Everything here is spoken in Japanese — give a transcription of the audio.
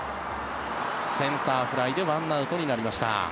センターフライで１アウトになりました。